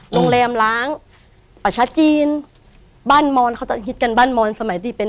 โรงแรมล้างประชาจีนบ้านมอนเขาจะฮิตกันบ้านมอนสมัยที่เป็น